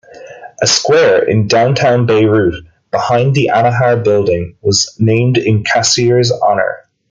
A square in downtown Beirut, behind the Annahar building, was named in Kassir's honor.